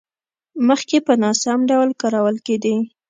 مخکې په ناسم ډول کارول کېدې.